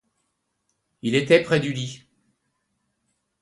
Il était près du lit.